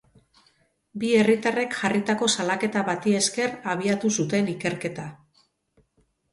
Bi herritarrek jarritako salaketa bati esker abiatu zuten ikerketa.